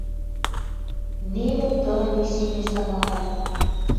Нелӹ тыр лишемеш тамахань...